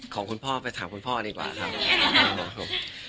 ของคุณพ่อไปถามคุณพ่อดีกว่าครับผม